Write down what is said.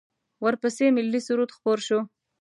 ورپسې ملی سرود خپور شو.